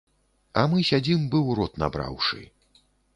А мы сядзім, бы ў рот набраўшы.